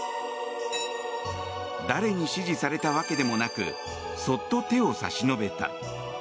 誰に指示されたわけでもなくそっと手を差し伸べた。